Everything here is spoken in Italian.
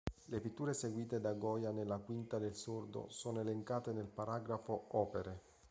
Le pitture eseguite da Goya nella Quinta del Sordo sono elencate nel paragrafo "Opere".